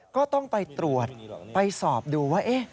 ก็ต้องไปตรวจไปสอบดูว่า